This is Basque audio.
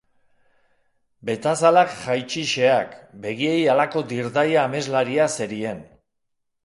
Betazalak jaitsixeak, begiei halako dirdaia ameslaria zerien.